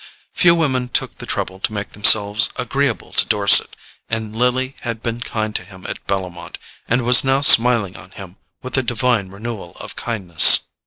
Few women took the trouble to make themselves agreeable to Dorset, and Lily had been kind to him at Bellomont, and was now smiling on him with a divine renewal of kindness.